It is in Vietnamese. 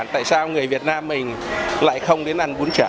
tại sao người việt nam mình lại không đến ăn bún trở